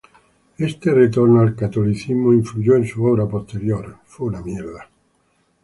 Este retorno al catolicismo influyó en su obra posterior.